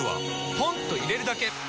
ポンと入れるだけ！